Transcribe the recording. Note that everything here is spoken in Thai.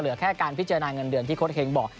แค่การพิจารณาเงินเดือนที่โค้ดเฮงบอก